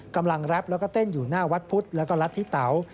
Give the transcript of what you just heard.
กำลังแร็ปแล้วก็เต้นอยู่หน้าวัดพุธและก็รัฐทิเตา